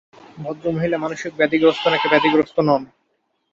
ভদ্রমহিলা মানসিক ব্যাধিগ্রস্ত নাকি ব্যাধিগ্রস্ত নন।